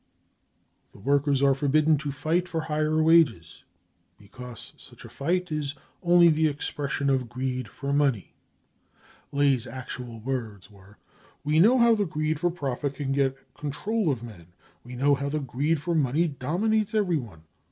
The workers are forbidden to fight for higher wages, because such a fight is only the expression of cc greed for money "; Ley's actual words are :" We know how the greed for profit can get control of men, we know how the greed for money dominates everyone.